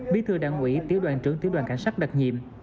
bí thư đảng ủy tiểu đoàn trưởng tiểu đoàn cảnh sát đặc nhiệm